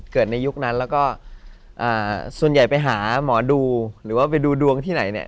เกิดในยุคนั้นและส่วนใหญ่ไปหาหมอดูหรือว่าไปดูดวงที่ไหน